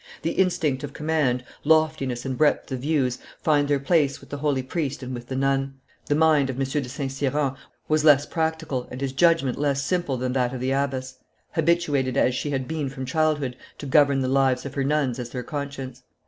The instinct of command, loftiness and breadth of views, find their place with the holy priest and with the nun; the mind of M. de St. Cyran was less practical and his judgment less simple than that of the abbess, habituated as she had been from childhood to govern the lives of her nuns as their conscience.